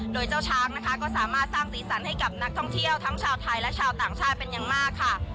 โดยเจ้าช้างนะคะก็สามารถสร้างสีสันให้กับนักท่องเที่ยวทั้งชาวไทยและชาวต่างชาติเป็นอย่างมากค่ะ